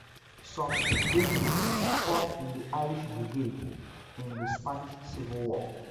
Some Hibernians fought in the Irish Brigade in the Spanish Civil War.